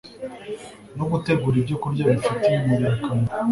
no gutegura ibyokurya bifitiye umubiri akamaro